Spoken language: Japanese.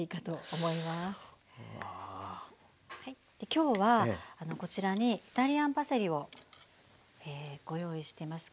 今日はこちらにイタリアンパセリをご用意してます。